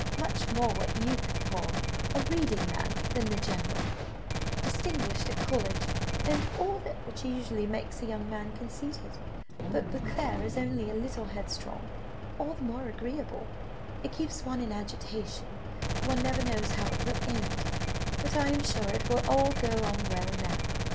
Much more what you would call a reading man than the general, distinguished at college, and all that which usually makes a young man conceited, but Beauclerc is only a little headstrong all the more agreeable, it keeps one in agitation; one never knows how it will end, but I am sure it will all go on well now.